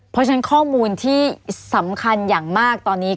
เพราะฉะนั้นข้อมูลที่สำคัญอย่างมากตอนนี้